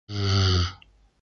Ж-ж-ж-ж...